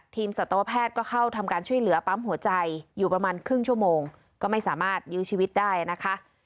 สัตวแพทย์ก็เข้าทำการช่วยเหลือปั๊มหัวใจอยู่ประมาณครึ่งชั่วโมงก็ไม่สามารถยื้อชีวิตได้นะคะ